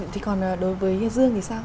thì còn đối với dương thì sao